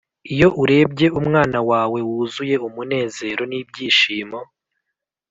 iyo urebye umwana wawe wuzuye umunezero n'ibyishimo,